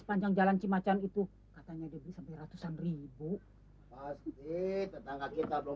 panjang jalan cimacan itu katanya lebih sampai ratusan ribu tetangga kita belum